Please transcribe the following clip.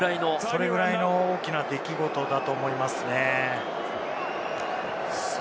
それぐらいの大きな出来事だと思いますね。